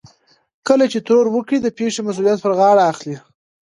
کله چې ترور وکړي د پېښې مسؤليت پر غاړه اخلي.